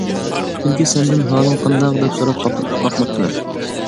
چۈنكى سەندىن ھالىڭ قانداق، دەپ سوراپ باقماپتىمەن.